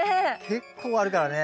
結構あるからね。